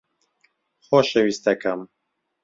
خۆشەویستەکەم